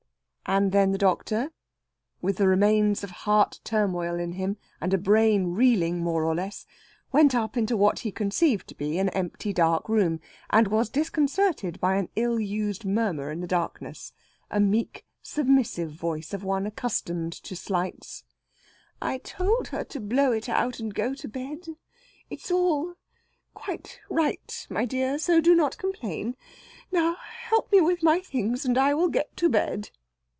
And then the doctor, with the remains of heart turmoil in him, and a brain reeling, more or less, went up into what he conceived to be an empty dark room, and was disconcerted by an ill used murmur in the darkness a meek, submissive voice of one accustomed to slights: "I told her to blow it out and go to bed. It is all quite right, my dear. So do not complain. Now help me with my things, and I will get to bed."